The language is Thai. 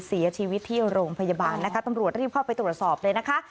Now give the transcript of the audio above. เสียชีวิตที่โรงพยาบาลนะคะตำรวจรีบเข้าไปตรวจสอบเลยนะคะ